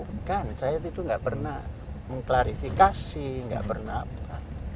bukan saya itu tidak pernah mengklarifikasi tidak pernah apa apa